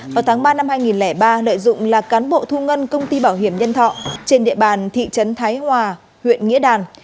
vào tháng ba năm hai nghìn ba lợi dụng là cán bộ thu ngân công ty bảo hiểm nhân thọ trên địa bàn thị trấn thái hòa huyện nghĩa đàn